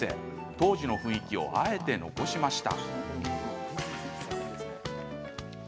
当時の雰囲気をあえて残しました。